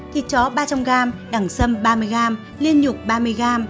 thịt chó ba trăm linh g đảng sâm ba mươi g liên nhục ba mươi g